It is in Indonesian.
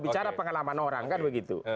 bicara pengalaman orang kan begitu